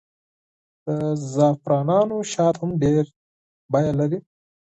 د زعفرانو شات هم ډېر قیمت لري.